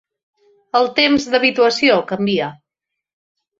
El temps d'habituació canvia.